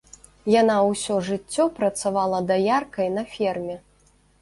Яна ўсё жыццё працавала даяркай на ферме.